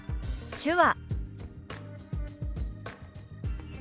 「手話」。